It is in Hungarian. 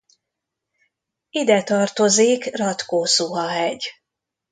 Ide tartozik Ratkó-Szuhahegy.